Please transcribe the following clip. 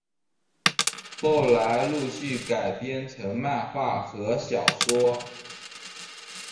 后来陆续改编成漫画和小说。